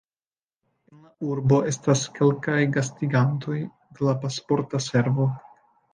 En la urbo estas kelkaj gastigantoj de la Pasporta Servo.